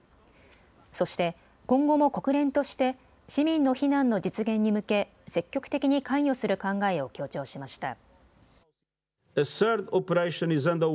そして今後も国連として市民の避難の実現に向け積極的に関与する考えを強調しました。